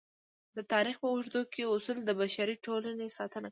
د تاریخ په اوږدو کې اصول د بشري ټولنې ساتنه کړې.